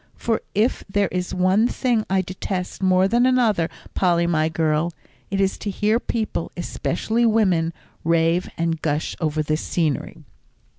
For if there is one thing I detest more than another, Polly, my girl, it is to hear people, especially women, rave and gush over the scenery."